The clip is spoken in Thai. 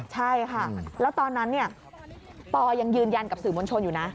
ใช่ค่ะแล้วตอนนั้นปอยังยืนยันกับสื่อมวลชนอยู่นะ